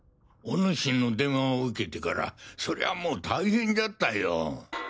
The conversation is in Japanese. おぬしの電話を受けてからそりゃあもう大変じゃったよ。